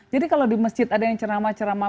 jadi kalau di masjid ada yang ceramah ceramah